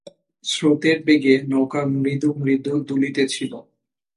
স্রোতের বেগে নৌকা মৃদু মৃদু দুলিতেছিল।